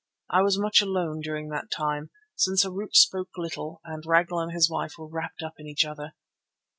I was much alone during that time, since Harût spoke little and Ragnall and his wife were wrapped up in each other.